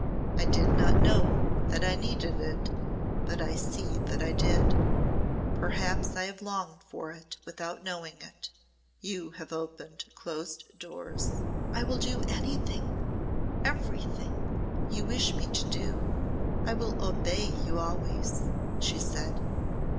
"I did not know that I needed it, but I see that I did. Perhaps I have longed for it without knowing it. You have opened closed doors." "I will do anything everything you wish me to do. I will obey you always," she said.